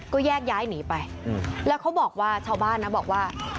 ก็แยกย้ายหนีไปอืมแล้วเขาบอกว่าชาวบ้านนะ